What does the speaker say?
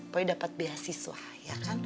pokoknya dapat beasiswa ya kan